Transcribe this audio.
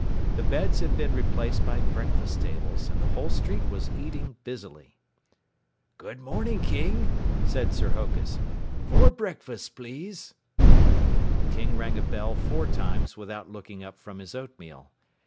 The beds had been replaced by breakfast tables, and the whole street was eating busily. "Good morning, King," said Sir Hokus. "Four breakfasts, please." The king rang a bell four times without looking up from his oatmeal.